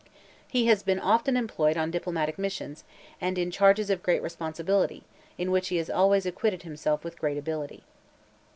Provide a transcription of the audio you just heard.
He has been often employed on diplomatic missions, and in charges of great responsibility, in which he has always acquitted himself with great ability."